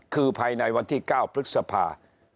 คือภายในวันที่๙พฤษภา